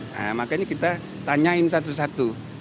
nah makanya kita tanyain satu satu